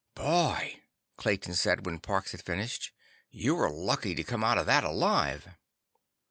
"Boy," Clayton said when Parks had finished, "you were lucky to come out of that alive!"